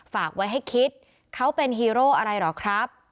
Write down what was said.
ฝากไว้ให้คิดเขาเป็นฮีโร่อะไรเหรอครับ